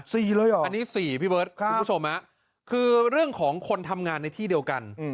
เลยเหรออันนี้สี่พี่เบิร์ตคุณผู้ชมคือเรื่องของคนทำงานในที่เดียวกัน